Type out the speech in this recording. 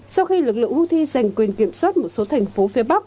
sau khi lực lượng houthi giành quyền kiểm soát một số thành phố phía bắc